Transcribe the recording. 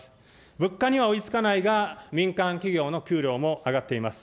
物価には追いつかないが民間企業の給料も上がっています。